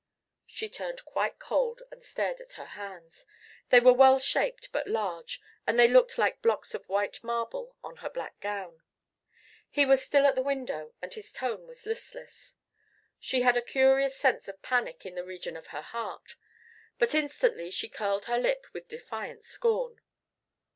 She turned quite cold and stared at her hands. They were well shaped but large, and they looked like blocks of white marble on her black gown. He was still at the window, and his tone was listless. She had a curious sense of panic in the region of her heart. But instantly she curled her lip with defiant scorn.